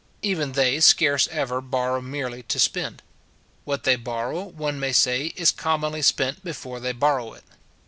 Even they scarce ever borrow merely to spend. What they borrow, one may say, is commonly spent before they borrow it.